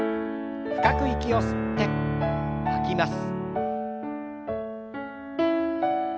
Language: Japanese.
深く息を吸って吐きます。